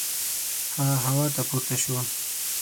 هغه هوا ته پورته شو.